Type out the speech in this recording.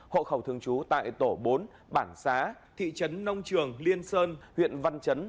hộ khẩu thường trú tại tổ bốn bản xá thị trấn nông trường liên sơn huyện văn chấn